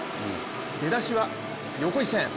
出だしは横一線。